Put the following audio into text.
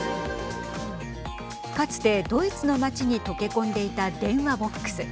かつてドイツの街に溶け込んでいた電話ボックス。